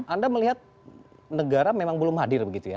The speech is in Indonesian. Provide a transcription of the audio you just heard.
anda melihat negara memang belum hadir begitu ya